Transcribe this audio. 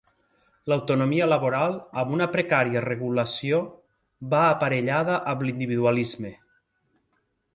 L'autonomia laboral, amb una precària regulació, va aparellada amb l'individualisme.